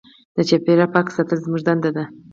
د چاپېریال پاک ساتل زموږ دنده ده.